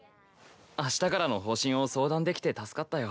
あしたからの方針を相談できて助かったよ。